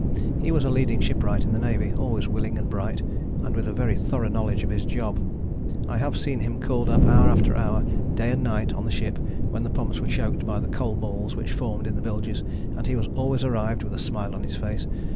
He was a leading shipwright in the navy, always willing and bright, and with a very thorough knowledge of his job. I have seen him called up hour after hour, day and night, on the ship, when the pumps were choked by the coal balls which formed in the bilges, and he always arrived with a smile on his face.